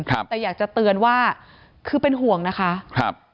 แต่อยากจะเตือนว่าคือเป็นห่วงนะคะ